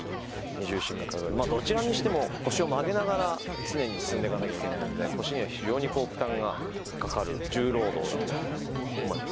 まあどちらにしても腰を曲げながら常に進んでいかなきゃいけないので腰には非常に負担がかかる重労働だと思いますね。